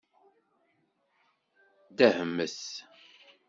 Dehmet.